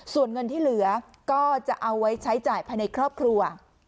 ส่วนเงินที่เหลือก็จะเอาไว้ใช้จ่ายภายในครอบครัว